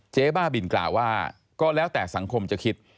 บ้าบินกล่าวว่าก็แล้วแต่สังคมจะคิด